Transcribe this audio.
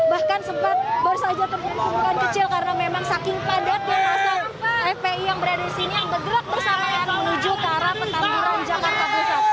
bahkan sempat baru saja temukan temukan kecil karena memang saking padat masa fpi yang berada di sini yang bergerak bersama yang menuju ke arah petangguran jakarta bosa